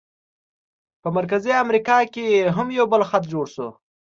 په مرکزي امریکا کې هم یو بل خط جوړ شو.